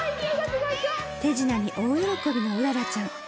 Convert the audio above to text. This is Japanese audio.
手品に大喜びの麗ちゃん。